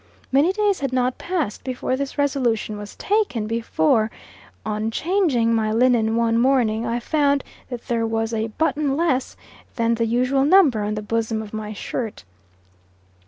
Many days had not passed after this resolution was taken, before, on changing my linen one morning, I found that there was a button less than the usual number on the bosom of my shirt.